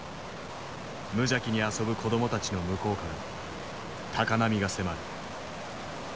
無邪気に遊ぶ子どもたちの向こうから高波が迫る。